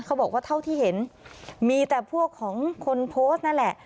เขาบอกว่าเท่าที่เห็นมีแต่พวกของคนโพสต์นั่นแหละ